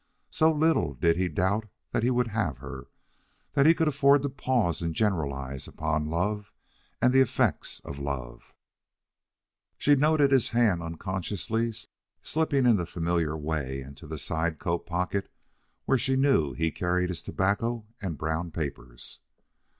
So little did he doubt that he would have her, that he could afford to pause and generalize upon love and the effects of love. She noted his hand unconsciously slipping in the familiar way into the side coat pocket where she knew he carried his tobacco and brown papers.